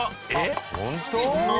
本当？